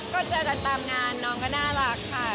ก็เจอกันตามงานน้องก็น่ารักค่ะ